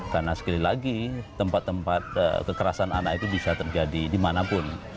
karena sekali lagi tempat tempat kekerasan anak itu bisa terjadi di mana pun